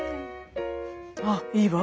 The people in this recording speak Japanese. あっいいわ。